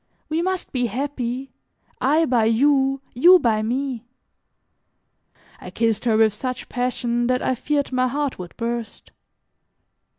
We must be happy, I by you, you by me." I kissed her with such passion that I feared my heart would burst.